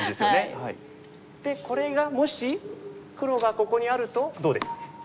でこれがもし黒がここにあるとどうですかね？